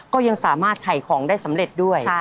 ก็ยังสามารถถ่ายของได้สำเร็จด้วย